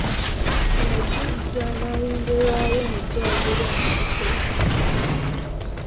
Waggyiddwa n’ayongerwayo mu ddwaliro lya Nakasero .